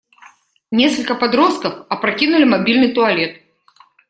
Несколько подростков опрокинули мобильный туалет.